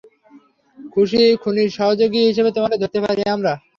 খুনীর সহযোগী হিসেবে তোমাকে ধরতে পারি আমরা।